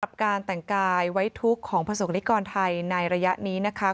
กับการแต่งกายไว้ทุกข์ของประสบนิกรไทยในระยะนี้นะคะ